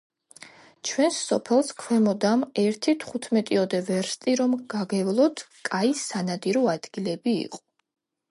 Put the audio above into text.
ჩვენს სოფელს ქვემოდამ ერთი თხუთმეტიოდე ვერსტი რომ გაგევლოთ, კაი სანადირო ადგილები იყო.